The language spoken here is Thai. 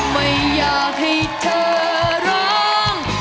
ไม่อยากให้เธอร้อง